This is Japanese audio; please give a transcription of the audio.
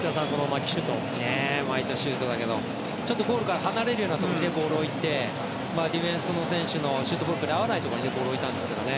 巻いたシュートだけどゴールから離れた位置にボールを置いてディフェンスの選手のシュートブロックに遭わないところにボールを置いたんですけどね。